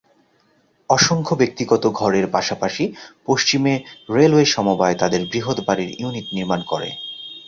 অসংখ্য ব্যক্তিগত ঘরের পাশাপাশি, পশ্চিমে রেলওয়ে সমবায় তাদের বৃহৎ বাড়ির ইউনিট নির্মাণ করে।